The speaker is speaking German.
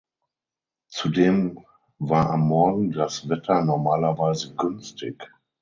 Zudem war am Morgen das Wetter normalerweise günstig.